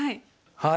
はい。